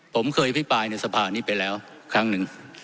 ผมเคยอภิปรายในสภานี้ไปแล้วครั้งหนึ่ง